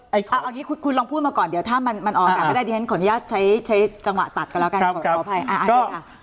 เอาอย่างนี้คุณลองพูดมาก่อนเดี๋ยวถ้ามันออกอากาศไม่ได้ดิฉันขออนุญาตใช้จังหวะตัดกันแล้วกันขออภัยค่ะ